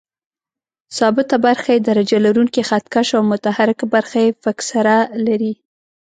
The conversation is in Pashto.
ثابته برخه یې درجه لرونکی خط کش او متحرکه برخه یې فکسره لري.